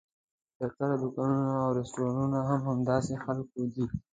زیاتره دوکانونه او رسټورانټونه هم د همدې خلکو دي.